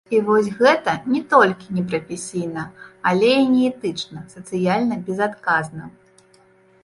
І вось гэта не толькі не прафесійна, але і не этычна, сацыяльна безадказна.